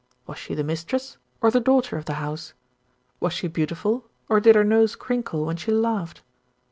Was she the mistress, or the daughter of the house? Was she beautiful, or did her nose crinkle when she laughed?